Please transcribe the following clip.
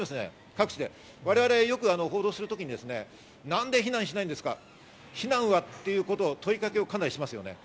各地で我々よく報道するときに何で避難しないんですか、避難は？ということを問いかけますよね。